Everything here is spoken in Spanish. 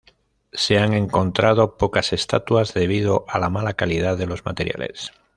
Se han encontrado pocas estatuas, debido a la mala calidad de los materiales.